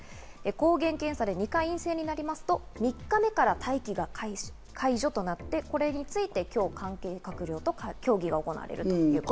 抗原検査で２回陰性になりますと、３日目から待機が解除となって、これについて今日、関係閣僚と協議が行われるということです。